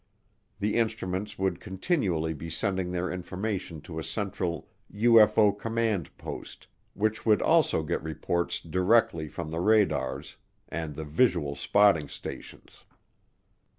The instruments would continually be sending their information to a central "UFO command post," which would also get reports directly from the radars and the visual spotting stations.